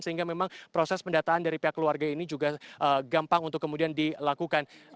sehingga memang proses pendataan dari pihak keluarga ini juga gampang untuk kemudian dilakukan